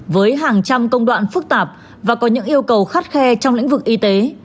với hàng trăm công đoạn phức tạp và có những yêu cầu khắt khe trong lĩnh vực y tế